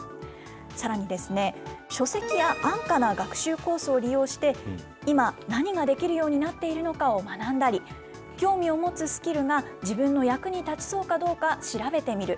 さらにですね、書籍や安価な学習コースを利用して、今、何ができるようになっているのかを学んだり、興味を持つスキルが自分の役に立ちそうかどうか、調べてみる。